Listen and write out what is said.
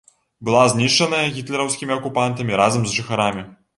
Была знішчаная гітлераўскімі акупантамі разам з жыхарамі.